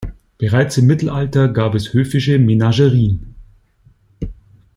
Bereits im Mittelalter gab es höfische Menagerien.